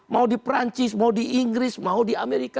mau di perancis mau di inggris mau di amerika